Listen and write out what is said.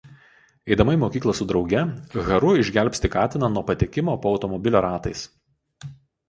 Eidama į mokyklą su drauge Haru išgelbsti katiną nuo patekimo po automobilio ratais.